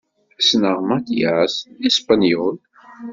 Ssneɣ Mattias deg Spenyul.